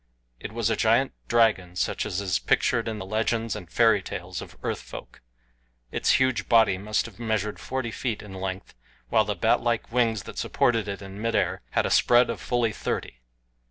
It was a giant dragon such as is pictured in the legends and fairy tales of earth folk. Its huge body must have measured forty feet in length, while the batlike wings that supported it in midair had a spread of fully thirty.